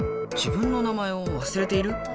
自分の名前をわすれている？